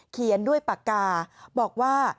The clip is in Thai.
เขียนด้วยปากกาบอกว่า